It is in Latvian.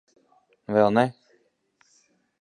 Vēl ne.